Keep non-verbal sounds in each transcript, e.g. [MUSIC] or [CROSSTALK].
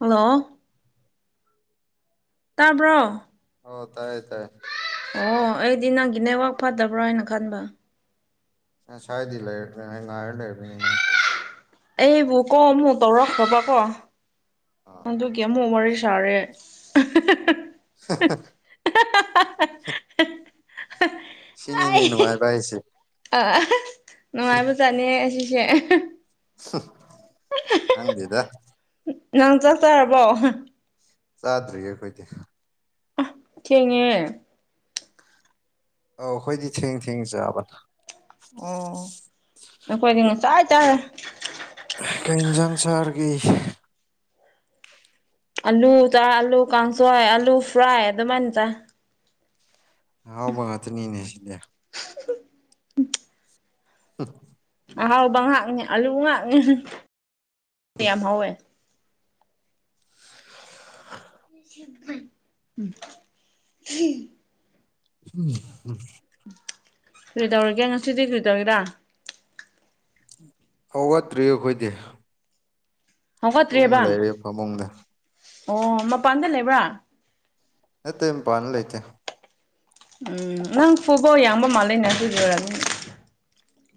hello ꯇꯥꯕ꯭ꯔꯣ ꯑꯣ ꯇꯥꯏꯌꯦ ꯇꯥꯏ ꯑꯣ ꯑꯩꯗꯤ ꯅꯪꯒꯤ ꯅꯋꯥꯛ ꯐꯠꯇꯕ꯭ꯔꯣ ꯍꯥꯏꯅ ꯈꯟꯕ ꯁꯥꯏꯗ ꯏꯂ ꯂꯩꯔꯅꯤ ꯅ ꯉꯥꯏꯂ ꯏꯔꯅꯤ ꯅꯪ ꯑꯩꯕꯨ ꯀꯣ ꯃꯨ ꯇꯔꯁ ꯂꯕ ꯀꯣ ꯑꯥ ꯑꯗꯨꯒꯤ ꯑꯃꯨꯛ ꯋꯥꯔꯤ ꯁꯥꯔꯦ [INAUDIBLE] [INAUDIBLE] ꯁꯤꯅꯤꯅꯤꯅꯨꯡꯉꯥꯏꯕꯁꯦ ꯑ ꯑꯁ ꯅꯨꯡꯉꯥꯏꯕ ꯆꯠꯅꯤ ꯑꯁꯤꯁꯦ ꯍꯪꯗ ꯅꯪ ꯆꯥꯛ ꯆꯔꯕꯣ ꯆꯥꯗ꯭ꯔꯤꯌꯦ ꯑꯩꯈꯣꯏꯗꯤ ꯊꯦꯡꯉꯦ ꯑꯧ ꯑꯩꯈꯣꯏꯗꯤ ꯊꯦꯡ ꯊꯦꯡ ꯆꯥꯕꯗ ꯑꯣ ꯅꯈꯣꯏꯗꯤ ꯉ ꯆꯥꯏ ꯆꯥꯏꯔꯦ ꯀꯣꯏ ꯏꯟꯖꯥꯡ ꯁꯍꯔꯒꯤ ꯑꯥꯂꯨ ꯆ ꯑꯥꯂꯨ ꯀꯥꯡꯁꯣꯏ ꯑꯥꯂꯨ ꯐ꯭ꯔꯥꯏ ꯑꯗꯨꯃꯥꯏꯅ ꯆ ꯑꯍꯥꯎꯕ ꯉꯥꯛꯇꯅꯤꯅꯦ ꯁꯤꯅꯦ ꯎꯝ ꯑꯍꯥꯎꯕ ꯉꯥꯏꯍꯥꯛꯅꯤ ꯑꯂꯨ ꯉꯥꯏꯍꯥꯛꯅꯤ ꯌꯥꯝ ꯍꯧꯋꯦ [INAUDIBLE] [INAUDIBLE] [INAUDIBLE] ꯎꯝ ꯎꯝ ꯀꯔꯤ ꯇꯧꯔꯒꯦ ꯉꯁꯤꯗꯤ ꯀꯔꯤ ꯇꯧꯔꯤꯦꯔꯥ ꯑ ꯋꯥꯠꯇ꯭ꯔꯤ ꯑꯩꯈꯣꯏꯗꯤ ꯇꯨꯝꯃ ꯍꯧꯒꯠꯇ꯭ꯦꯕ ꯂꯩꯔꯦ ꯐꯃꯨꯡꯗ ꯑꯣ ꯃꯄꯥꯟꯗ ꯂꯩꯕ꯭ꯔꯥ ꯅ ꯇꯇꯩ ꯃꯄꯥꯥꯅ ꯂꯩꯇꯦ ꯎꯝ ꯅꯪ ꯐꯨꯠꯕꯣꯜ ꯌꯥꯡꯕ ꯃꯥꯜꯂꯦ ꯅ ꯍꯧꯖꯨꯔꯒ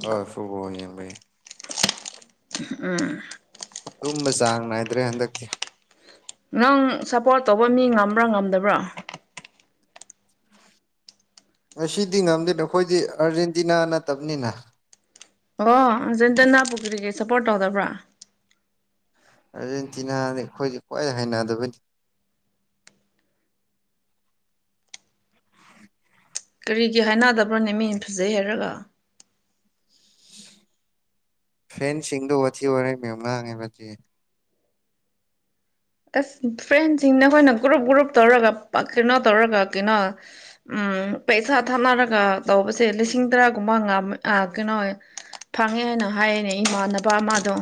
ꯑꯥ ꯁꯨꯒ ꯌꯕꯏ ꯎꯝ ꯇꯨꯝꯕ ꯆꯥꯡ ꯅꯥꯏꯗ꯭ꯔꯦ ꯍꯟꯗꯛꯇꯤ ꯅꯪ ꯁꯞꯄꯣꯔꯠ ꯇꯧꯕ ꯃꯤ ꯉꯝꯕ꯭ꯔꯥ ꯉꯝꯗꯕ꯭ꯔꯥ ꯉꯁꯤꯗꯤ ꯉꯝꯗꯦ ꯅꯈꯣꯏꯗꯤ ꯑꯥꯔꯖꯦꯟꯇꯤꯅꯥ ꯅꯠꯇꯕꯅꯤꯅ ꯑꯣ ꯑꯥꯔꯖꯦꯟꯇꯤꯅꯥ ꯄꯨ ꯀꯔꯤꯒꯤ ꯁꯞꯄꯣꯔꯠ ꯇꯧꯗꯕ꯭ꯔꯥ ꯑꯥꯔꯖꯦꯟꯇꯤꯅꯥꯅꯤ ꯑꯩꯈꯣꯏꯁꯦ ꯈ꯭ꯋꯥꯏ ꯍꯩꯅꯗꯕꯩ [INAUDIBLE] ꯀꯔꯤꯒꯤ ꯍꯩꯅꯗꯕ꯭ꯔꯣꯅꯦ ꯃꯤꯅ ꯐꯖꯩ ꯍꯥꯏꯔꯒ ꯐꯦꯟꯁꯤꯡꯗꯣ ꯋꯥꯊꯤ ꯋꯥꯔꯦꯝ ꯌꯥꯝ ꯉꯥꯡꯉꯦꯕ ꯑꯗꯨꯒꯤ ꯑꯁ ꯐ꯭ꯔꯦꯟꯁꯤꯡꯗ ꯑꯩꯈꯣꯏꯅ ꯒ꯭ꯔꯨꯞ ꯒ꯭ꯔꯨꯞ ꯇꯧꯔꯒ ꯄꯛ ꯀꯩꯅꯣ ꯇꯧꯔꯒ ꯀꯩꯅꯣ ꯎꯝ ꯄꯩꯁꯥ ꯊꯥꯅꯔꯒ ꯇꯧꯕꯁꯦ ꯂꯤꯁꯤꯡ ꯇꯔꯥꯒꯨꯝꯕ ꯉꯥꯝ ꯑ ꯀꯩꯅꯣ ꯐꯪꯉꯦ ꯍꯥꯏꯅ ꯍꯥꯏꯌꯦꯅꯦ ꯏꯃꯥꯟꯅꯕ ꯑꯃꯗꯣ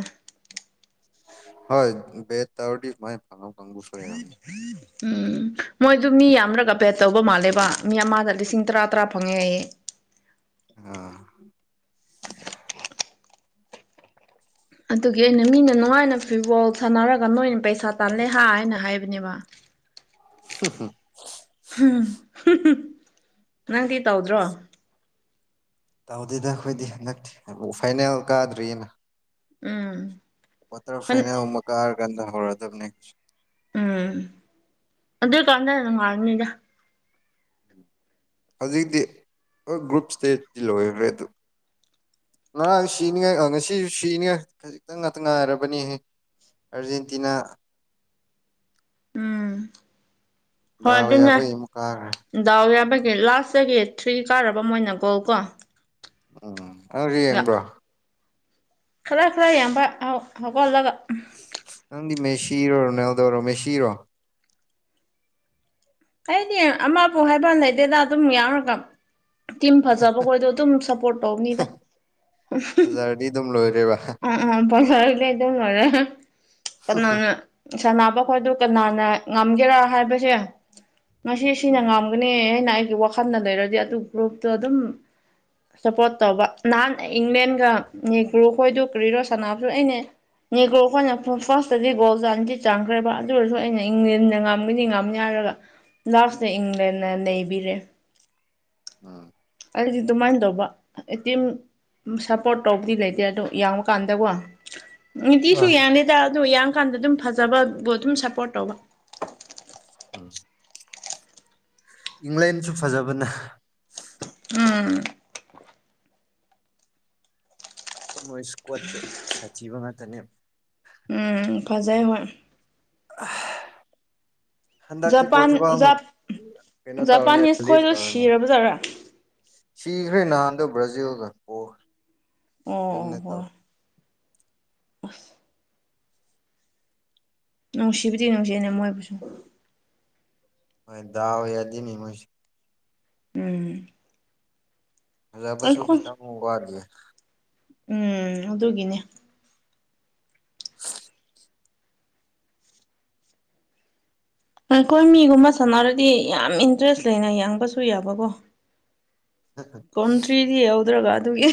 ꯍꯣꯏ ꯕꯦꯠ ꯇꯧꯔꯗꯤ ꯁꯨꯃꯥꯏ ꯐꯪꯕ ꯀꯥꯡꯒꯨꯁꯨ ꯂꯩꯔꯝꯅꯤ [INAUDIBLE] ꯎꯝ ꯃꯣꯏꯗꯨ ꯃꯤ ꯌꯥꯝꯔꯒ ꯕꯦꯠ ꯇꯧꯕ ꯃꯥꯜꯂꯦꯕ ꯃꯤ ꯑꯃꯗ ꯂꯤꯁꯤꯡ ꯇꯔꯥ ꯇꯔꯥ ꯐꯪꯉꯦ ꯍꯥꯏꯌꯦ ꯑꯥ ꯑꯗꯨꯒꯤ ꯑꯩꯅ ꯃꯤꯅ ꯅꯨꯡꯉꯥꯏꯅ ꯐꯤꯠꯕꯣꯜ ꯁꯥꯟꯅꯔꯒ ꯅꯣꯏꯅ ꯄꯩꯁꯥ ꯇꯥꯜꯂꯦ ꯍꯥ ꯍꯥꯏꯅ ꯍꯥꯏꯕꯅꯦꯕ [UNINTELLIGIBLE] [UNINTELLIGIBLE] ꯅꯪꯗꯤ ꯇꯧꯗ꯭ꯔꯣ ꯇꯧꯗꯦꯗ ꯑꯩꯈꯣꯏꯗꯤ ꯍꯟꯗꯛꯇꯤ ꯐꯥꯏꯅꯦꯜ ꯀꯥꯗ꯭ꯔꯤꯑꯅ ꯎꯝ ꯀ꯭ꯋꯥꯇꯔ ꯐꯥꯏꯅꯦꯜ ꯒꯨꯝꯕ ꯀꯥꯔꯀꯥꯟꯗ ꯍꯧꯔꯗꯕꯅꯤ ꯎꯝ ꯑꯗꯨꯏꯀꯥꯟꯗ ꯅꯨꯡꯉꯥꯏꯔꯅꯤꯗ ꯍꯧꯖꯤꯛꯇꯤ ꯍꯣꯏ ꯒ꯭ꯔꯨꯞ ꯁꯇꯦꯠꯇꯤ ꯂꯣꯏꯒ꯭ꯔꯦ ꯑꯗꯨ ꯉꯔꯥꯡ ꯁꯤꯅꯤꯉꯥꯏ ꯉꯁꯤꯖꯨ ꯁꯤꯅꯤꯉꯥꯏ ꯈꯖꯤꯛꯇꯪ ꯉꯥꯛꯇ ꯉꯥꯏꯔꯕꯅꯦꯍꯦ ꯑꯔꯖꯦꯟꯇꯤꯅꯥ ꯎꯝ ꯍꯣꯏ ꯗꯥꯎ ꯑꯗꯨꯅꯦ ꯌꯥꯕꯒꯤ ꯑꯃꯨꯛ ꯀꯥꯈ꯭ꯔꯦ ꯗꯥꯎ ꯌꯥꯕꯒꯤ ꯂꯥꯁꯇꯒꯤ ꯊ꯭ꯔꯤ ꯀꯥꯔꯕ ꯃꯣꯏꯅ ꯒꯣꯜ ꯀꯣ ꯎꯝ [UNINTELLIGIBLE] ꯌꯦꯡꯕ꯭ꯔꯣ ꯈꯔ ꯈꯔ ꯌꯦꯡꯕ ꯑꯧ ꯍꯧꯒꯠꯂꯒ ꯅꯪꯗꯤ ꯃꯦꯁꯤꯔꯣ ꯔꯣꯅꯥꯜꯗꯣꯔꯣ ꯃꯦꯁꯤꯔꯣ ꯑꯩꯗꯤ ꯑꯃꯕꯨ ꯍꯥꯏꯕ ꯂꯩꯗꯦꯗ ꯑꯗꯨꯝ ꯌꯥꯎꯔꯒ ꯇꯤꯝ ꯐꯖꯕ ꯈꯣꯏꯗꯣ ꯑꯗꯨꯝ ꯁꯞꯄꯣꯔꯠ ꯇꯧꯕꯅꯤꯗ ꯗꯤ ꯑꯗꯨꯝ ꯂꯣꯏꯔꯦꯕ ꯑ ꯑ ꯐꯖꯔꯗꯤ ꯑꯗꯨꯝ ꯂꯣꯏꯔꯦ ꯀꯅꯥꯅꯣ ꯁꯥꯟꯅꯕ ꯈꯣꯏꯗꯨ ꯀꯅꯥꯅ ꯉꯝꯒꯦꯔꯥ ꯍꯥꯏꯕꯁꯦ ꯉꯁꯤ ꯁꯤꯅ ꯎꯝ ꯉꯝ ꯒꯅꯦ ꯍꯥꯏꯅ ꯑꯩꯒꯤ ꯋꯥꯈꯜꯗ ꯂꯩꯔꯗꯤ ꯑꯗꯨ ꯒ꯭ꯔꯨꯞꯇꯣ ꯑꯗꯨꯝ ꯁꯞꯄꯣꯔꯠ ꯇꯧꯕ ꯅꯍꯥꯟ ꯑꯩ ꯏꯟꯂꯦꯟꯒ ꯅꯦꯒ꯭ꯔꯣ ꯈꯣꯏꯗꯨ ꯀꯔꯤꯔꯣ ꯁꯅꯥꯕꯗꯨ ꯑꯩꯅꯦ ꯅꯦꯒ꯭ꯔꯣ ꯈꯣꯏꯅ ꯐꯨ ꯐꯥꯔꯁꯇꯗꯤ ꯒꯣꯜ ꯆꯟꯗꯤ ꯆꯟꯈ꯭ꯔꯦꯕ ꯑꯗꯨ ꯑꯣꯏꯔꯁꯨ ꯑꯩꯅ ꯏꯪꯂꯦꯟꯅ ꯉꯥꯝꯒꯅꯤ ꯉꯝ ꯌꯥꯔꯒ ꯂꯥꯁꯇ ꯏꯪꯂꯦꯟꯅ ꯅꯩꯕꯤꯔꯦ ꯎꯝ ꯑꯩꯗꯤ ꯑꯗꯨꯃꯥꯏꯅ ꯇꯧꯕ ꯑꯦꯇꯤꯝ ꯁꯞꯄꯣꯔꯠ ꯇꯧꯕꯗꯤ ꯂꯩꯇꯦ ꯑꯗꯣ ꯌꯥꯡꯕꯀꯥꯟꯗꯀꯣ ꯅꯤꯇꯤꯁꯨ ꯑꯥ ꯌꯥꯡꯗꯦꯗ ꯑꯗꯨ ꯌꯥꯡ ꯀꯥꯟꯗ ꯑꯗꯨꯝ ꯐꯖꯕꯕꯨ ꯑꯗꯨꯝ ꯁꯞꯄꯣꯔꯠ ꯇꯧꯕ ꯏꯪꯂꯦꯟꯁꯨ ꯐꯖꯕꯅꯦ ꯎꯝ ꯃꯣꯏ ꯁ꯭ꯀꯋꯥꯠꯇꯨ ꯁꯥꯊꯤꯕ ꯉꯥꯛꯇꯅꯦꯕ ꯎꯝ ꯐꯖꯩ ꯍꯣꯏ [UNINTELLIGIBLE] ꯍꯟꯗꯛꯇꯤ ꯖꯄꯥꯟ ꯄꯣꯔꯇꯨꯒꯥꯜꯅ ꯖꯞ ꯀꯩꯅꯣ ꯇꯧꯔꯅꯤ ꯖꯄꯥꯅꯤꯁ ꯔꯦꯁ ꯈꯣꯏꯗꯣ ꯇꯧꯔꯅꯤ ꯁꯤꯔꯕꯖꯥꯠꯔꯥ ꯁꯤꯈ꯭ꯔꯦ ꯅꯍꯥꯟꯗꯣ ꯕ꯭ꯔꯥꯖꯤꯜꯒ ꯄꯣꯔ ꯑꯣ ꯑꯣ ꯑꯣ ꯍꯣꯏ ꯎꯁ ꯅꯨꯡꯁꯤꯕꯗꯤ ꯅꯨꯡꯁꯤꯕꯅꯦ ꯃꯣꯏꯕꯨꯁꯨ ꯍꯣꯏ ꯗꯥꯎ ꯌꯥꯗꯤꯅꯦ ꯃꯣꯏꯁꯦ ꯎꯝ ꯐꯖꯕꯁꯨ ꯑꯩꯈꯣꯏ ꯈꯤꯇꯪ ꯋꯥꯠꯂꯤ ꯎꯝ ꯑꯗꯨꯒꯤꯅꯦ [INAUDIBLE] ꯑꯩꯈꯣꯏ ꯃꯤꯒꯨꯝꯕ ꯁꯥꯟꯅꯔꯗꯤ ꯌꯥꯝ ꯏꯟꯇꯔꯦꯁ ꯂꯩꯅ ꯌꯦꯡꯕꯁꯨ ꯌꯥꯕꯀꯣ [UNINTELLIGIBLE] ꯀꯣꯟꯇ꯭ꯔꯤꯗꯤ ꯌꯥꯎꯗ꯭ꯔꯒ ꯑꯗꯨꯒꯤ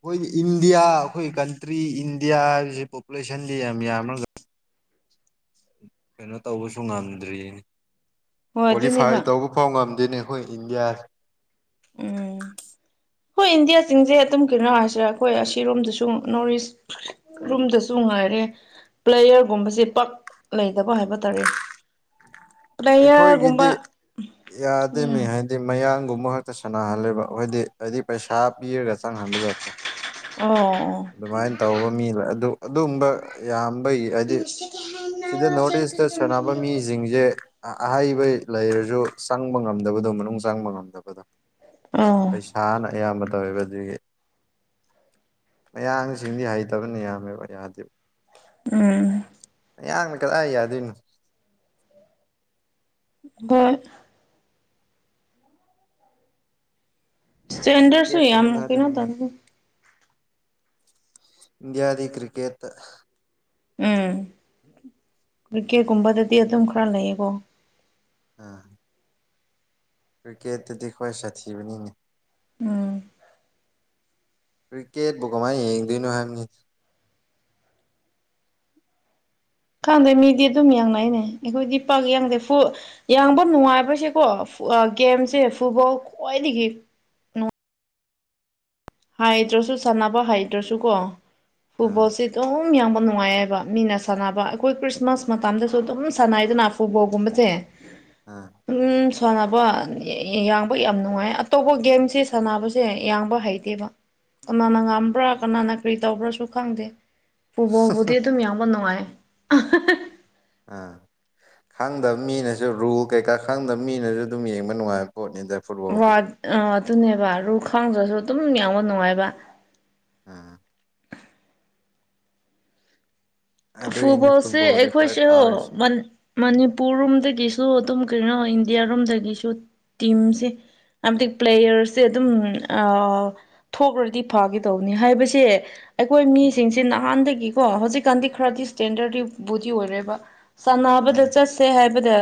ꯑꯈꯣꯏꯗꯤ ꯏꯟꯗꯤꯌꯥ ꯑꯩꯈꯣꯏ ꯀꯟꯇ꯭ꯔꯤ ꯏꯟꯗꯤꯌꯥ ꯍꯥꯏꯕꯁꯤ ꯄꯣꯄꯨꯂꯦꯁꯟꯗꯤ ꯌꯥꯝ ꯌꯥꯝꯔꯒ ꯀꯩꯅꯣ ꯇꯧꯕꯁꯨ ꯉꯝꯗ꯭ꯔꯤꯅꯦ ꯍꯣꯏ ꯀ꯭ꯋꯥꯂꯤꯐꯥꯏ ꯑꯗꯨꯅꯦꯕ ꯇꯧꯕ ꯐꯧ ꯉꯝꯗꯦꯅꯦ ꯑꯩꯈꯣꯏ ꯏꯟꯗꯤꯌꯥ ꯎꯝ ꯍꯣꯏ ꯏꯟꯗꯤꯌꯥ ꯁꯤꯡꯖꯦ ꯑꯗꯨꯝ ꯀꯩꯅꯣ ꯍꯥꯏꯁꯤꯔ ꯑꯩꯈꯣꯏ ꯑꯁꯤꯔꯣꯝꯗꯁꯨꯝ ꯅꯣꯔꯤꯁ ꯔꯨꯝꯗꯁꯨ ꯉꯥꯏꯔꯦ ꯄ꯭ꯂꯦꯌ꯭ꯔꯒꯨꯝꯕꯁꯦ ꯄꯛ ꯂꯩꯗꯕ ꯍꯥꯏꯕ ꯇꯥꯔꯦ [UNINTELLIGIBLE] [INAUDIBLE] ꯄ꯭ꯂꯦꯌꯔꯒꯨꯝꯕ ꯑꯩꯈꯣꯏꯒꯤꯗꯤ ꯌꯥꯗꯦꯃꯤ ꯎꯝ ꯍꯥꯏ ꯗꯤ ꯃꯌꯥꯡꯒꯨꯝꯕ ꯉꯥꯛꯇ ꯁꯥꯟꯅꯍꯜꯂꯦꯕ ꯍꯣꯏꯗꯤ ꯍꯥꯏꯗꯤ ꯄꯩꯁꯥ ꯄꯤꯔꯒ ꯆꯪꯍꯟꯕꯖꯥꯠꯇ ꯑꯣ ꯑꯣ ꯑꯗꯨꯃꯥꯏꯅ ꯇꯧꯕ ꯃꯤ ꯂ ꯑꯗꯨ ꯑꯗꯨꯒꯝꯕ ꯌꯥꯝꯕꯒꯤ ꯍꯥꯏꯗꯤ ꯁꯦꯀꯦꯟ ꯍꯦꯟ ꯁꯤꯗ ꯍꯥꯏꯔꯣ ꯅꯣꯔꯠ ꯁꯦꯀꯦꯟ ꯏꯁꯇ ꯍꯦꯟ ꯁꯥꯟꯅꯕ ꯍꯥꯏꯔꯣ ꯃꯤꯖꯤꯡꯖꯦ ꯑ ꯑꯍꯩꯕꯩ ꯂꯩꯔꯖꯨ ꯆꯪꯕ ꯉꯝꯗꯕꯗꯣ ꯃꯅꯨꯡ ꯆꯪꯕ ꯉꯝꯗꯕꯗꯣ ꯎꯝ ꯁꯥꯅ ꯑꯌꯥꯝꯕ ꯇꯧꯋꯦꯕ ꯑꯗꯨꯒꯤ ꯃꯌꯥꯡꯁꯤꯡꯗꯤ ꯍꯩꯇꯕꯅꯦ ꯌꯥꯝꯃꯦꯕ ꯌꯥꯗꯦ ꯎꯝ ꯃꯌꯥꯡꯅ ꯀꯗꯥꯏ ꯌꯥꯗꯣꯏꯅꯣ ꯕꯣꯏ ꯁ꯭ꯇꯦꯟꯗ꯭ꯔꯁꯨꯨ ꯌꯥꯝ ꯀ꯭ꯔꯤꯀꯦꯠꯀꯨꯝꯕꯗ ꯀꯩꯅꯣ ꯉꯥꯛꯇꯅꯤ ꯃꯣꯏ ꯇꯧꯕꯒꯨꯝ ꯏꯟꯗꯤꯌꯥꯗꯤ ꯀ꯭ꯔꯤꯀꯦꯠꯇ ꯎꯝ ꯀ꯭ꯔꯤꯀꯦꯠꯀꯨꯝꯕꯗꯗꯤ ꯑꯗꯨꯝ ꯈꯔ ꯂꯩꯌꯦꯀꯣ ꯑꯥ ꯀ꯭ꯔꯤꯀꯦꯠꯇꯗꯤ ꯈ꯭ꯋꯥꯏ ꯁꯥꯊꯤꯕꯅꯤꯅꯦ ꯎꯝ ꯀ꯭ꯔꯤꯀꯦꯠꯕꯨ ꯀꯃꯥꯏ ꯌꯦꯡꯗꯣꯏꯅꯣ ꯍꯥꯏꯕꯅꯤ ꯈꯪꯗꯦ ꯃꯤꯗꯤ ꯑꯗꯨꯝ ꯌꯦꯡꯅꯩꯅꯦ ꯑꯩꯈꯣꯏꯗꯤ ꯄꯥꯛ ꯌꯥꯡꯗꯦ ꯐꯨ ꯌꯥꯡꯕ ꯅꯨꯡꯉꯥꯏꯕꯁꯦꯀꯣ ꯐꯨꯑꯥ ꯒꯦꯝꯁꯦ ꯐꯨꯠꯕꯣꯜ ꯈ꯭ꯋꯥꯏꯗꯒꯤ ꯍꯥꯏꯗ꯭ꯔꯁꯨ ꯁꯥꯟꯅꯕ ꯍꯩꯇ꯭ꯔꯁꯨ ꯀꯣ ꯑꯥ ꯐꯨꯠꯕꯣꯜꯁꯤ ꯑꯗꯨꯝ ꯌꯥꯝꯕ ꯅꯨꯡꯉꯥꯏꯌꯦ ꯍꯥꯏꯕ ꯃꯤꯅ ꯁꯥꯟꯅꯕ ꯑꯩꯈꯣꯏ ꯈ꯭ꯔꯤꯁꯃꯥꯁ ꯃꯇꯝꯗꯁꯨ ꯑꯗꯨꯝ ꯁꯥꯟꯅꯩꯗꯅ ꯐꯨꯠꯕꯣꯜꯒꯨꯝꯕꯆꯦ [INAUDIBLE] ꯑ ꯎꯝ ꯁꯥꯟꯅꯕ ꯌꯥꯡꯕ ꯌꯥꯝ ꯅꯨꯡꯉꯥꯏꯌꯦ ꯑꯇꯣꯞꯄ ꯒꯦꯝꯁꯦ ꯁꯥꯟꯅꯕꯁꯦ ꯌꯥꯡꯕ ꯍꯩ ꯂꯩꯠꯇꯦꯕ ꯀꯅꯥꯅ ꯉꯝꯕ꯭ꯔꯥ ꯀꯅꯥꯅ ꯀꯔꯤ ꯇꯧꯕ꯭ꯔꯥꯁꯨ ꯈꯪꯗꯦ ꯄꯨꯕꯣꯕꯨꯗꯤ ꯑꯗꯨꯝ ꯌꯥꯝꯌꯥꯝꯕ ꯅꯨꯡꯉꯥꯏ ꯑꯥ ꯈꯪꯗꯕ ꯃꯤꯅꯁꯨ ꯔꯨꯜ ꯀꯩꯀꯥ ꯈꯪꯗꯕ ꯃꯤꯅꯁꯨ ꯑꯗꯨꯝ ꯌꯦꯡꯕ ꯅꯨꯡꯉꯥꯏꯕ ꯄꯣꯠꯅꯤꯗ ꯐꯨꯠꯕꯣꯜꯗꯤ ꯑꯗꯨꯅꯦꯕ ꯔꯨ ꯈꯥꯡꯗ꯭ꯔꯁꯨ ꯑꯗꯨꯝ ꯌꯥꯡꯕ ꯅꯨꯡꯉꯥꯏꯕ ꯑꯥ ꯑꯗꯨꯏꯅꯦ ꯐꯨꯕꯣꯁꯦ ꯐꯨꯠꯕꯣꯜꯗꯤ ꯈ꯭ꯋꯥꯏ ꯑꯩꯈꯣꯏꯁꯦꯍꯣ ꯐꯥꯎꯔꯤꯁꯦ ꯃ ꯃꯅꯤꯄꯨꯔ ꯔꯣꯝꯗꯒꯤꯁꯨ ꯑꯗꯨꯝ ꯀꯩꯅꯣ ꯏꯟꯗꯤꯌꯥꯔꯣꯝꯗꯒꯤꯁꯨ ꯇꯤꯝꯁꯦ ꯑꯃꯗꯤ ꯄ꯭ꯂꯦꯌꯔꯁꯦ ꯑꯗꯨꯝ ꯊꯣꯛꯈ꯭ꯔꯗꯤ ꯐꯥꯒ ꯇꯧꯅꯤ ꯍꯥꯏꯕꯁꯦ ꯑꯩꯈꯣꯏ ꯃꯤꯁꯤꯡꯁꯤ ꯅꯍꯥꯟꯗꯒꯤꯀꯣ ꯍꯧꯖꯤꯛꯀꯥꯟꯗꯤ ꯈꯔꯗꯤ ꯏꯁꯇꯦꯟꯗꯔꯗꯤ ꯕꯣꯗꯤ ꯑꯣꯏꯔꯦꯕ ꯁꯥꯟꯅꯕꯗ ꯎꯝ ꯆꯠꯁꯦ ꯍꯥꯏꯕꯗ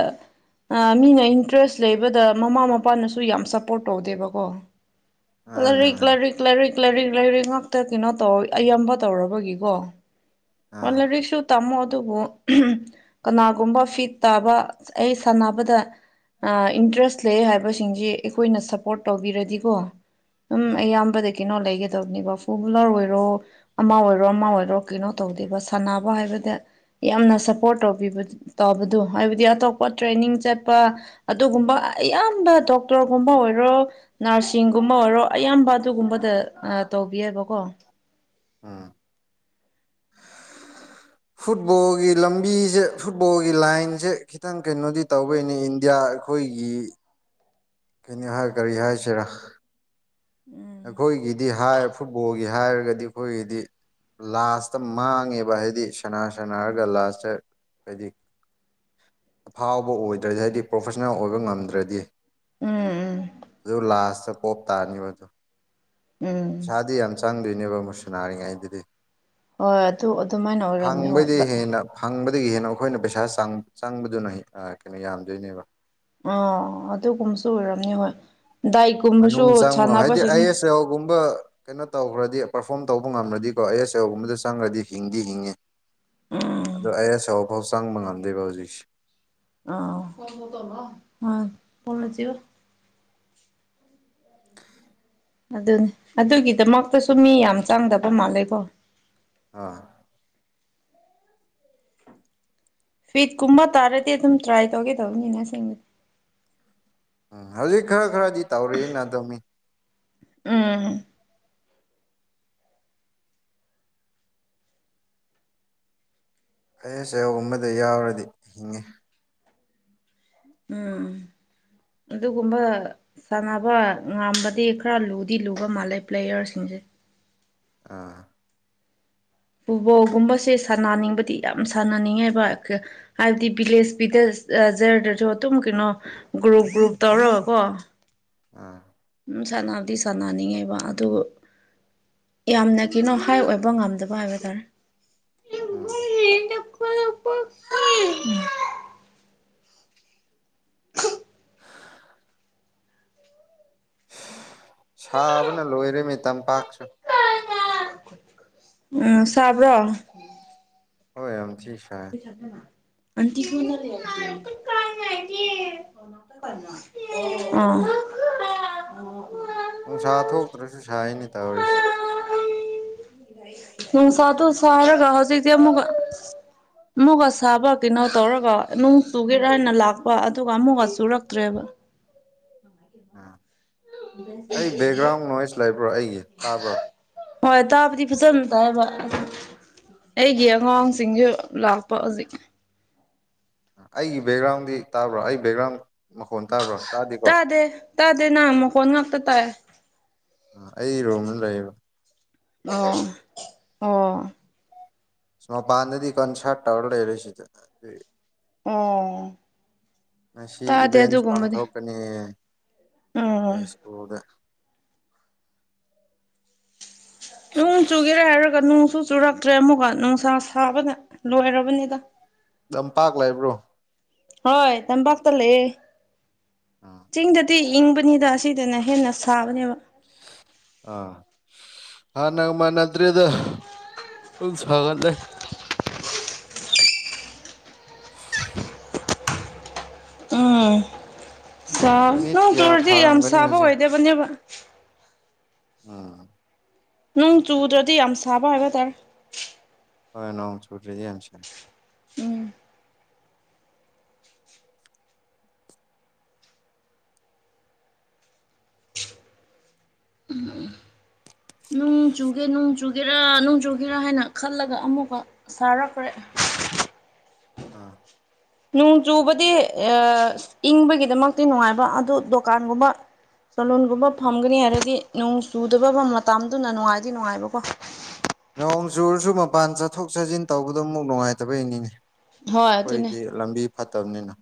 ꯃꯤꯅ ꯏꯟꯇꯔꯦꯁ ꯂꯩꯕꯗ ꯃꯃꯥ ꯃꯄꯥꯅꯁꯨ ꯌꯥꯝ ꯁꯄꯣꯔꯠ ꯇꯧꯗꯦꯕꯀꯣ ꯃꯥꯅꯦ ꯂꯥꯏꯔꯤꯛ ꯃꯥꯅꯦ ꯂꯥꯏꯔꯤꯛ ꯂꯥꯏꯔꯤꯛ ꯂꯥꯏꯔꯤꯛ ꯂꯥꯏꯔꯤꯛ ꯉꯥꯛꯇ ꯀꯩꯅꯣ ꯇꯧ ꯑꯌꯥꯝꯕ ꯇꯧꯔꯕꯒꯤꯀꯣ ꯎꯝ ꯑꯣꯜ ꯔꯤ ꯁ ꯇꯝꯃꯣ ꯑꯗꯨꯕꯨ ꯀꯅꯥꯒꯨꯝꯕ ꯐꯤꯠ ꯇꯥꯕ ꯑꯩ ꯁꯥꯟꯅꯕꯗ ꯏꯟꯇ꯭ꯔꯦꯁ ꯂꯩ ꯍꯥꯏꯕꯁꯤꯡꯁꯦ ꯑꯩꯈꯣꯏꯅ ꯁꯞꯄꯣꯔꯠ ꯇꯧꯕꯤꯔꯗꯤꯀꯣ ꯎꯝ ꯑꯌꯥꯝꯕꯗ ꯀꯩꯅꯣ ꯂꯩꯒꯗꯕꯅꯤꯀꯣ ꯐꯣꯔ ꯋꯤꯂꯔ ꯑꯣꯏꯔꯣ ꯑꯃ ꯑꯣꯏꯔꯣ ꯑꯃ ꯑꯣꯏꯔꯣ ꯀꯩꯅꯣ ꯇꯧꯗꯦꯕ ꯁꯥꯟꯅꯕ ꯍꯥꯏꯕꯗ ꯌꯥꯝꯅ ꯁꯄꯣꯔꯠ ꯇꯧꯕꯤꯕ ꯇꯧꯕꯗꯣ ꯍꯥꯏꯕꯗꯤ ꯑꯇꯣꯞꯄ ꯇ꯭ꯔꯦꯅꯤꯡ ꯆꯠꯄ ꯑꯗꯨꯒꯨꯝꯕ ꯑꯌꯥꯝꯕ ꯗꯣꯛꯇꯔꯒꯨꯝꯕ ꯑꯣꯏꯔꯣ ꯅꯔꯁꯤꯡꯒꯨꯝꯕ ꯑꯣꯏꯔꯣ ꯑꯌꯥꯝꯕ ꯑꯗꯨꯒꯨꯝꯕꯗ ꯇꯧꯕꯤꯑꯕꯀꯣ ꯎꯝ [UNINTELLIGIBLE] [INAUDIBLE] ꯐꯨꯠꯕꯣꯜꯒꯤ ꯂꯝꯕꯤꯁꯦ ꯐꯨꯠꯕꯣꯜꯒꯤ ꯂꯥꯏꯟꯁꯦ ꯈꯤꯇꯪ ꯀꯩꯅꯣꯗꯤ ꯇꯧꯕꯩꯅꯦ ꯏꯟꯗꯤꯌꯥ ꯑꯩꯈꯣꯏꯒꯤ ꯀꯅꯤ ꯍꯥꯏ ꯀꯔꯤ ꯍꯥꯏꯁꯤꯔꯥ ꯎꯝ ꯑꯩꯈꯣꯏꯒꯤꯗꯤ ꯍꯥꯏ ꯐꯨꯠꯕꯣꯜꯒꯤ ꯍꯥꯏꯔꯒꯗꯤ ꯑꯩꯈꯣꯏꯒꯤꯗꯤ ꯂꯥꯁꯇ ꯃꯥꯡꯉꯦꯕ ꯍꯥꯏꯗꯤ ꯁꯅꯥ ꯁꯅꯥꯔꯒ ꯂꯥꯁꯇ ꯍꯥꯏꯗꯤ ꯑꯐꯥꯎꯕ ꯑꯣꯏꯗ꯭ꯔꯗꯤ ꯍꯥꯏꯗꯤ ꯄ꯭ꯔꯣꯐꯦꯁꯅꯦꯜ ꯑꯣꯏꯕ ꯉꯝꯗ꯭ꯔꯗꯤ ꯎꯝ ꯑꯗꯨ ꯂꯥꯁ ꯄꯣꯞ ꯇꯥꯅꯤꯕ ꯎꯝ ꯄꯩꯁꯥꯗꯤ ꯌꯥꯝ ꯆꯪꯗꯣꯏꯅꯦꯕ ꯃꯨꯛꯁꯨꯅꯥꯔꯤꯉꯩꯗꯨꯗꯤ ꯍꯣꯏ ꯑꯗꯨ ꯑꯗꯨꯃꯥꯏꯅ ꯑꯣꯏꯔꯝꯃꯦ ꯍꯣꯏ ꯐꯪꯕꯗꯤ ꯍꯦꯟꯅ ꯐꯪꯕꯗꯒꯤ ꯍꯦꯟꯅ ꯑꯩꯈꯣꯏꯅ ꯄꯩꯁꯥ ꯆꯪꯕꯗꯨꯅ ꯀꯩꯅꯣ ꯌꯥꯝꯗꯣꯏꯅꯦꯕ ꯑ ꯑꯗꯨꯒꯨꯝꯕꯁꯨ ꯑꯣꯏꯔꯝꯅꯤ ꯍꯣꯏ ꯗꯥꯏ ꯃꯅꯨꯡ ꯆꯪꯕ ꯍꯥꯏꯗꯤ ꯑꯥꯏ ꯑꯦꯁ ꯑꯧꯒꯨꯝꯕ ꯀꯩꯅꯣ ꯇꯧꯈ꯭ꯔꯗꯤ ꯄꯔꯐꯣꯝ ꯇꯧꯕ ꯉꯝꯅꯗꯤꯀꯣ ꯑꯦ ꯑꯦꯁ ꯑꯦꯣꯒꯨꯝꯕꯗ ꯆꯪꯈ꯭ꯔꯗꯤ ꯍꯤꯡꯗꯤ ꯍꯤꯡꯉꯤ ꯎꯝ ꯑꯗꯣ ꯑꯩ ꯑꯆꯧ ꯑꯐꯥꯎ ꯆꯪꯕ ꯉꯝꯗꯦꯕ ꯍꯧꯖꯤꯛꯁꯦ ꯑ ꯐꯣꯂꯅ ꯆꯕ ꯎ ꯑꯗꯨꯅꯤ ꯑꯗꯨꯒꯤꯗꯃꯛꯇꯁꯨ ꯃꯤ ꯌꯥꯝ ꯆꯪꯗꯕ ꯃꯥꯜꯂꯦꯀꯣ ꯑꯥ ꯐꯤꯠꯀꯨꯝꯕ ꯇꯥꯔꯗꯤ ꯑꯗꯨꯝ ꯇ꯭ꯔꯥꯏ ꯇꯧꯒꯦ ꯇꯧꯕꯅꯤꯅ ꯑꯁꯦꯡꯕꯗꯤ ꯎꯝ ꯍꯧꯖꯤꯛ ꯈꯔ ꯈꯔꯗꯤ ꯇꯧꯔꯤꯑꯅ ꯑꯗꯨꯝꯃꯤ ꯎꯝ ꯑꯩꯅ ꯆꯌꯣ ꯑꯃꯗ ꯌꯥꯎꯔꯗꯤ ꯍꯤꯡꯉꯤ ꯎꯝ ꯑꯗꯨꯒꯨꯝꯕ ꯁꯥꯟꯅꯕ ꯉꯝꯕꯗꯤ ꯈꯔ ꯂꯨꯗꯤ ꯂꯨꯒ ꯃꯥꯜꯂꯦ ꯄ꯭ꯂꯦꯌꯔꯁꯤꯡꯁꯦ ꯑꯥ ꯐꯨꯠꯕꯣꯜꯒꯨꯝꯕꯁꯦ ꯁꯥꯟꯅꯅꯤꯡꯕꯗꯤ ꯌꯥꯝ ꯁꯥꯟꯅꯅꯤꯡꯉꯦꯕ ꯍꯥꯏꯕꯗꯤ ꯚꯤꯂꯦꯖ ꯚꯤꯂꯦꯖꯖꯔꯗꯁꯨ ꯑꯗꯨꯝ ꯀꯩꯅꯣ ꯒ꯭ꯔꯨꯞ ꯒ꯭ꯔꯨꯞ ꯇꯧꯔꯒꯀꯣ ꯑꯥ ꯎ ꯁꯥꯟꯅꯕꯗꯤ ꯁꯥꯟꯅꯅꯤꯡꯉꯦꯕ ꯑꯗꯨ ꯌꯥꯝꯅ ꯀꯩꯅꯣ ꯍꯥꯏ ꯑꯣꯏꯕ ꯉꯝꯗꯕ ꯍꯥꯏꯕ ꯇꯥꯔꯦ ꯎꯝ ꯁꯥꯕꯅ ꯂꯣꯏꯔꯦꯃꯤ ꯇꯝꯄꯥꯛꯁꯨ ꯎꯝ ꯁꯥꯕ꯭ꯔꯣ ꯍꯣꯏ ꯌꯥꯝ ꯊꯤ ꯁꯥꯏ [INAUDIBLE] [INAUDIBLE] ꯑꯥ [INAUDIBLE] ꯅꯨꯡꯁꯥ ꯊꯣꯛꯇ꯭ꯔꯁꯨ ꯁꯥꯏꯅꯦ ꯇꯧꯔꯤꯁꯤ [INAUDIBLE] ꯅꯨꯡꯁꯥꯇꯨ ꯁꯥꯔꯒ ꯍꯧꯖꯤꯛꯇꯤ ꯑꯃꯨꯛꯀ ꯑꯃꯨꯛꯒ ꯁꯥꯕ ꯀꯩꯅꯣ ꯇꯧꯔꯒ ꯅꯨꯡ ꯆꯨꯒꯦꯔ ꯍꯥꯏꯅ ꯂꯥꯛꯄ ꯑꯗꯨꯒ ꯑꯃꯨꯛꯒ ꯆꯨꯔꯛꯇ꯭ꯔꯦꯕ ꯎꯝ ꯑꯩ ꯕꯦꯛꯒ꯭ꯔꯥꯎꯟ ꯅꯣꯏꯁ ꯂꯩꯕ꯭ꯔꯣ ꯑꯩꯒꯤ ꯇꯥꯕ꯭ꯔꯣ ꯍꯣꯏ ꯇꯥꯕꯗꯤ ꯐꯖꯅ ꯇꯥꯏꯕ ꯑꯩꯒꯤ ꯑꯉꯥꯡꯁꯤꯡꯁꯨ ꯂꯥꯛꯄ ꯍꯧꯖꯤꯛ ꯑꯩꯒꯤ ꯕꯦꯛꯒ꯭ꯔꯥꯎꯟꯗꯤ ꯇꯥꯕ꯭ꯔꯥ ꯑꯩ ꯕꯦꯛꯒ꯭ꯔꯥꯎꯟ ꯃꯈꯣꯟ ꯇꯥꯕ꯭ꯔꯥ ꯇꯥꯗꯦ ꯇꯥꯗꯦ ꯅꯪ ꯃꯈꯣꯟ ꯉꯥꯛꯇ ꯇꯥꯌꯦ ꯑ ꯑꯩ ꯔꯣꯝꯅ ꯂꯩꯌꯦꯕ ꯑꯣ ꯑꯣ ꯃꯄꯥꯟꯗꯗꯤ ꯀꯟ ꯁꯥꯔꯠ ꯇꯧꯔ ꯂꯩꯔꯣꯏꯁꯤꯗ ꯑꯗꯨ ꯑꯣ ꯉꯁꯤ ꯇꯥꯗꯦ ꯏꯚꯦꯟꯁ ꯑꯗꯨꯒꯨꯝꯕꯗꯤ ꯄꯥꯡꯊꯣꯛꯀꯅꯤꯌꯦ ꯎꯝ ꯌꯥꯏꯁꯀꯨꯜꯗ ꯅꯣꯡ ꯆꯨꯒꯦꯔꯥ ꯍꯥꯏꯔꯒ ꯅꯣꯡꯁꯨ ꯆꯨꯔꯛꯇ꯭ꯔꯦ ꯑꯃꯨꯛꯀ ꯅꯨꯡꯁꯥ ꯁꯥꯕꯅ ꯂꯣꯏꯔꯕꯅꯤꯗ ꯂꯝꯄꯥꯛ ꯂꯩꯕ꯭ꯔꯣ ꯍꯣꯏ ꯇꯝꯄꯥꯛꯇꯥ ꯂꯩꯌꯦ ꯑꯥ ꯆꯤꯡꯗꯗꯤ ꯏꯪꯕꯅꯤꯗ ꯑꯁꯤꯗꯅ ꯍꯦꯟꯅ ꯁꯥꯕꯅꯦꯕ ꯑ ꯍꯥꯟꯅꯒ ꯃꯥꯅꯗ꯭ꯔꯦꯗ ꯄꯨ ꯁꯥꯒꯠꯂꯦ ꯎꯝ ꯁꯥ ꯃꯤꯅꯤꯠ ꯅꯣꯡ ꯀꯌꯥ ꯆꯨꯓꯗꯤ ꯌꯥꯝ ꯐꯥꯔꯝꯒꯅꯤ ꯁꯥꯕ ꯍꯧꯖꯤꯛ ꯑꯣꯏꯗꯕꯅꯦꯕ ꯑꯥ ꯅꯣꯡ ꯆꯨꯗ꯭ꯔꯗꯤ ꯌꯥꯝ ꯁꯥꯕ ꯍꯥꯏꯕ ꯇꯥꯔꯦ ꯍꯣꯏ ꯅꯣꯡ ꯆꯨꯗ꯭ꯔꯗꯤ ꯌꯥꯝ ꯁꯥꯢ ꯎꯝ ꯅꯣꯡ ꯆꯨꯒꯦ ꯅꯨꯡ ꯆꯨꯒꯦ ꯒꯦꯔꯥ ꯅꯣꯡꯖꯨꯒꯤꯦꯔꯥ ꯍꯥꯏꯅ ꯈꯜꯂꯒ ꯑꯃꯨꯛꯀ ꯁꯥꯔꯛꯈ꯭ꯔꯦ ꯑꯥ ꯅꯣꯡ ꯆꯨꯕꯗꯤ ꯏꯪꯕꯒꯤꯗꯃꯛꯇꯤ ꯅꯨꯡꯉꯥꯏꯕ ꯑꯗꯨ ꯗꯨꯀꯥꯟꯒꯨꯝꯕ ꯁꯣꯂꯣꯟꯒꯨꯝꯕ ꯐꯝꯒꯅꯤ ꯍꯥꯏꯔꯗꯤ ꯅꯣꯡ ꯆꯨꯗꯕ ꯃꯇꯝꯗꯨꯅ ꯅꯨꯡꯉꯥꯏꯗꯤ ꯅꯨꯡꯉꯥꯏꯕꯀꯣ ꯅꯣꯡ ꯆꯨꯔꯁꯨ ꯃꯄꯥꯟ ꯆꯠꯊꯣꯛ ꯆꯠꯁꯤꯟ ꯇꯧꯕꯗꯣ ꯑꯃꯨꯛ ꯅꯨꯡꯉꯥꯏꯇꯕꯩꯅꯤꯅꯦ ꯍꯣꯏ ꯑꯗꯨꯅꯦ ꯍꯣꯏꯗꯤ ꯂꯝꯕꯤ ꯐꯥꯠꯇꯕꯅꯤꯅꯥ